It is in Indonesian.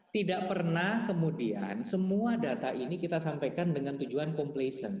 tidak pernah kemudian semua data ini kita sampaikan dengan tujuan complace